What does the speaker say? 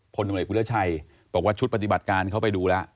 พลพุทธชัยบอกว่าชุดปฏิบัติการเขาไปดูแล้ว